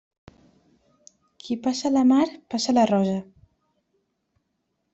Qui passa la mar, passa la rosa.